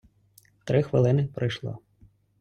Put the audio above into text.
три хвилини пройшло.